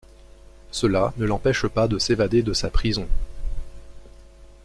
Cela ne l'empêche pas de s'évader de sa prison.